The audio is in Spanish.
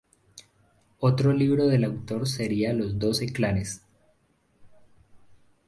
Otro libro del autor sería Los doce clanes.